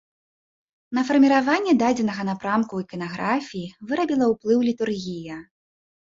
На фарміраванне дадзенага напрамку ў іканаграфіі вырабіла ўплыў літургія.